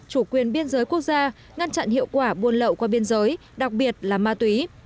chủ quyền biên giới quốc gia ngăn chặn hiệu quả buôn lậu qua biên giới đặc biệt là ma túy